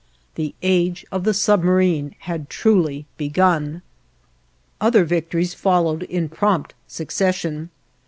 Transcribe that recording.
The age of the submarine had truly begun. Other victories followed in prompt succession.